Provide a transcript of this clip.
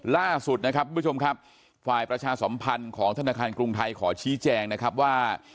ล่าสุดนะครับทุกผู้ชมครับฝ่ายประชาสมพันธ์ของธนาคารกรุงไทยขอชี้แจงนะครับว่า